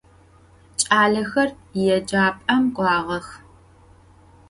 Ç'alexer yêcap'em k'uağex.